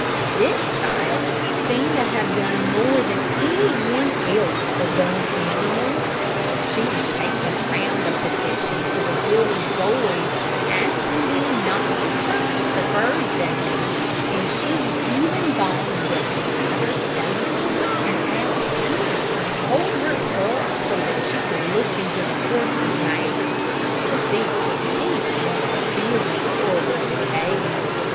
This child seemed to have done more than any one else for dumb animals. She had taken around a petition to the village boys, asking them not to search for birds' eggs, and she had even gone into her father's stable, and asked him to hold her up, so that she could look into the horses' mouths to see if their teeth wanted filing or were decayed.